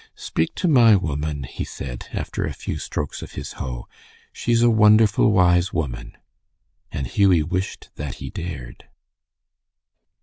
"Speak to my woman," he said, after a few strokes of his hoe. "She's a wonderful wise woman." And Hughie wished that he dared.